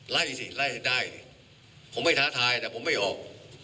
ไล่สิไล่ให้ได้สิผมไม่ท้าทายแต่ผมไม่ออก